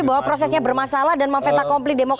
tapi bahwa prosesnya bermasalah dan memveta kompli demokrat